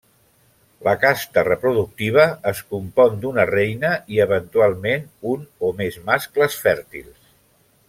La casta reproductiva es compon d'una reina i eventualment un o més mascles fèrtils.